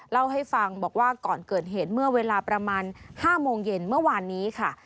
เล่าให้ฟังบอกว่าก่อนเกิดเหตุเมื่อเวลาประมาณ๕โมงเย็นเมื่อวานนี้ค่ะ